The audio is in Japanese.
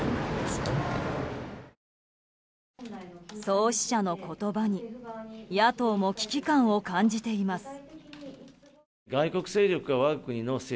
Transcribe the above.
創始者の言葉に野党も危機感を感じています。